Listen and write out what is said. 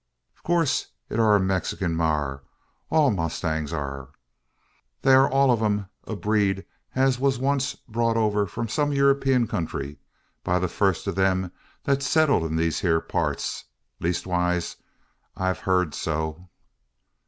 "In coorse it air a Mexikin maar all mowstangs air. They air all on 'em o' a breed as wur oncest brought over from some European country by the fust o' them as settled in these hyur parts leesewise I hev heern so."